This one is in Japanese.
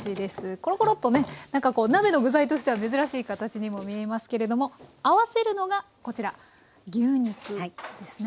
コロコロッとねなんかこう鍋の具材としては珍しい形にも見えますけれども合わせるのがこちら牛肉ですね。